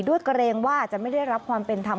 เกรงว่าจะไม่ได้รับความเป็นธรรม